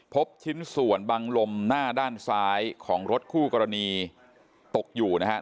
พบชิ้นส่วนบังลมหน้าด้านซ้ายของรถคู่กรณีตกอยู่นะครับ